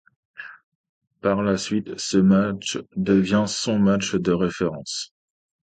Par la suite, ce match devint son match de référence.